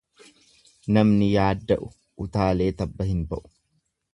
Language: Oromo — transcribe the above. Namni yaadda'u utaalee tabba hin ba'u.